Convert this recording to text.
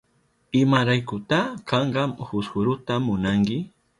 ¿Imaraykuta kanka fusfuruta munanki?